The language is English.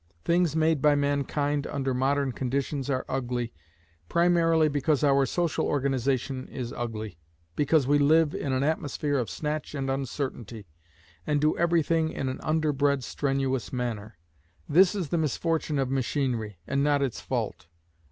Things made by mankind under modern conditions are ugly, primarily because our social organisation is ugly, because we live in an atmosphere of snatch and uncertainty, and do everything in an underbred strenuous manner. This is the misfortune of machinery, and not its fault.